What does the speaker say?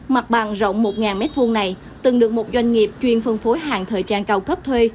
mặt bằng rộng một m hai này từng được một doanh nghiệp chuyên phân phối hàng thời trang cao cấp thuê